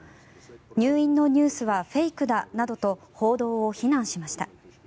入院のニュースはフェイクだなどと報道を非難しました。